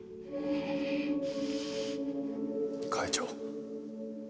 会長。